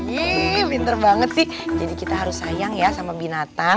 iya bintar banget sih jadi kita harus sayang ya sama binatan